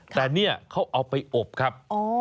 แต่เนี่ยเขาเอาไปอบครับ